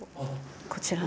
こちら。